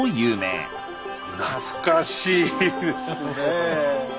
懐かしいですねえ。